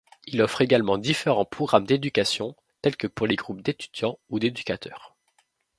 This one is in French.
Il offre également différents programmes d'éducation tels que pour les groupes d'étudiants ou d'éducateurs.